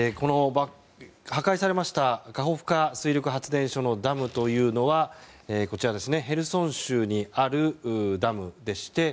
破壊されましたカホフカ水力発電所のダムはヘルソン州にあるダムでして。